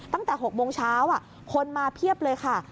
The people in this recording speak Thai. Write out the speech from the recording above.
ตั้งแต่๖โมงเช้าคนมาเพียบเลยค่ะ